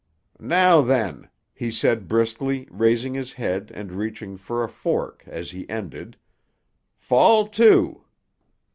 "Now then," he said briskly, raising his head and reaching for a fork as he ended, "fall to."